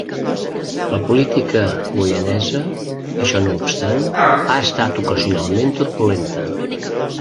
La política guyanesa, això no obstant, ha estat ocasionalment turbulenta.